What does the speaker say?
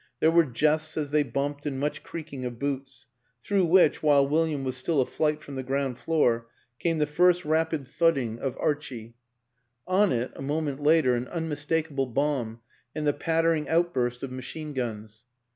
There were jests as they bumped and much creaking of boots through which, while William was still a flight from the ground floor, came the first rapid thud WILLIAM AN ENGLISHMAN 269 ding of " Archie." On it, a moment later, an unmistakable bomb and the pattering outburst of machine guns.